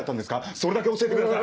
それだけ教えてください！